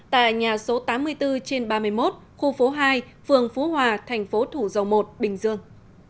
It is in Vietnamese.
tại nhà số tám mươi bốn trên ba mươi một khu phố hai phường phú hòa thành phố thủ dầu một bình dương